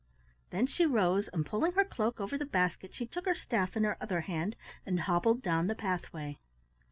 Then she rose, and pulling her cloak over the basket she took her staff in her other hand and hobbled down the pathway.